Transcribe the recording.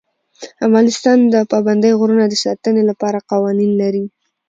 افغانستان د پابندی غرونه د ساتنې لپاره قوانین لري.